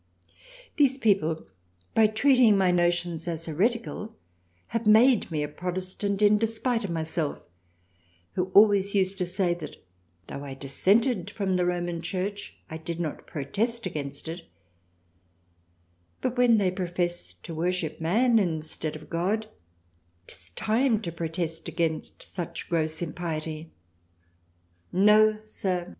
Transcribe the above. These 42 THRALIANA people by treating my notions as Heretical have made me a Protestant in despite of myself, who always used to say that though I dissented from the Roman Church I did not protest against it, but when they profess to worship Man instead of God 'tis Time to protest against such gross Impiety, No. Sir.